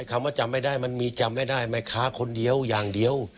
คำว่าจำไม่ได้มันมีจำไม่ได้แม่ค้าคนเดียวอย่างเดียว